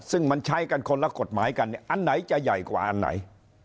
ซึ่งมันใช้กันคนละกฎหมายกันเนี่ยอันไหนจะใหญ่กว่าอันไหน